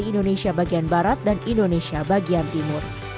indonesia bagian barat dan indonesia bagian timur